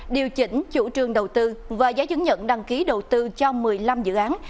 điều chỉnh chủ trương đầu tư và giá chứng nhận đăng ký đầu tư cho một mươi năm dự án